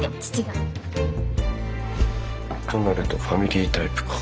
となるとファミリータイプか。